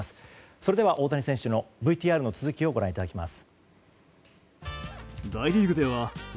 それでは、大谷選手のＶＴＲの続きをご覧いただきます。